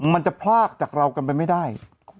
มันจะพลากจากเรากันไปไม่ได้